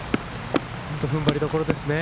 踏ん張りどころですね。